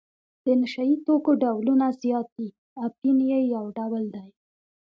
د نشه یي توکو ډولونه زیات دي اپین یې یو ډول دی.